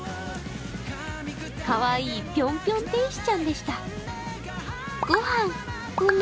かわいいぴょんぴょん天使ちゃんでした。